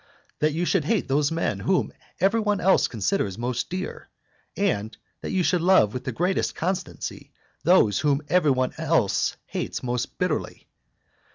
that you should hate those men whom every one else considers most dear? and that you should love with the greatest constancy those whom every one else hates most bitterly?